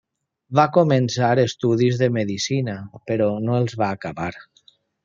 Va començar estudis de Medicina, però no els va acabar.